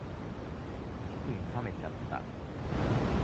チキン冷めちゃった